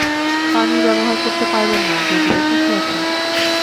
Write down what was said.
পানি ব্যবহার করতে পারবেন না যদিও, টিস্যু আছে।